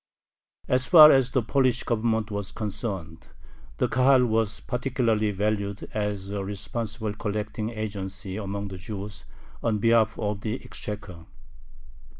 As far as the Polish Government was concerned, the Kahal was particularly valued as a responsible collecting agency among the Jews on behalf of the exchequer.